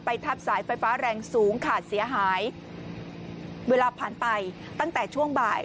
ทับสายไฟฟ้าแรงสูงขาดเสียหายเวลาผ่านไปตั้งแต่ช่วงบ่าย